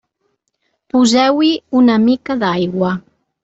Poseu-hi una mica d'aigua.